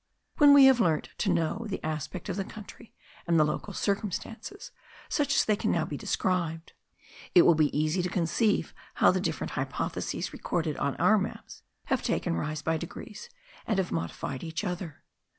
When we have learnt to know the aspect of the country, and the local circumstances, such as they can now be described, it will be easy to conceive how the different hypotheses recorded on our maps have taken rise by degrees, and have modified each other.